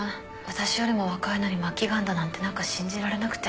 私よりも若いのに末期がんだなんて何か信じられなくて